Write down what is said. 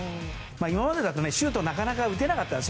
今までだとシュートなかなか打てなかったんです。